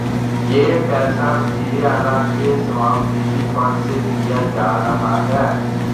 یہ پیسہ وزیر اعلی کے صوابدیدی فنڈ سے دیا جا رہا ہے۔